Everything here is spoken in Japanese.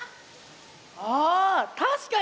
ああたしかに！